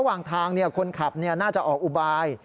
ระหว่างทางคนขับน่าจะออกอุบาย